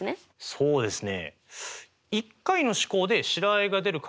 そうですね。